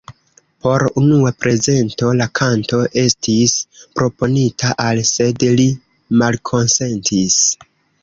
Por unua prezento la kanto estis proponita al sed li malkonsentis.